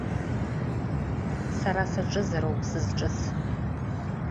Сара саҿызароуп сызҿыц.